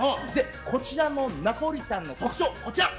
こちらのナポリタンの特徴。